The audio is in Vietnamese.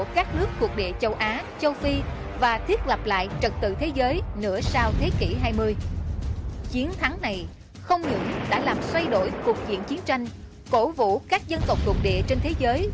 xin chào và hẹn gặp lại trong các video tiếp theo